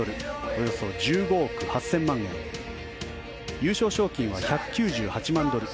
およそ１５億８０００万円優勝賞金は１９８万ドル